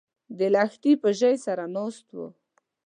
د لښتي په ژۍ سره ناست و